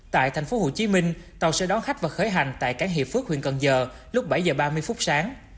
tại tp hcm tàu sẽ đón khách và khởi hành tại cảng hiệp phước huyện cần giờ lúc bảy h ba mươi phút sáng